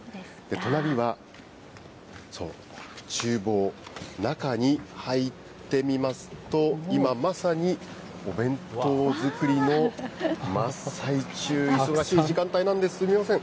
隣はちゅう房、中に入ってみますと、今まさに、お弁当作りの真っ最中、忙しい時間帯なんです、すみません。